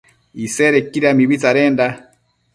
Isedequida mibi tsadenda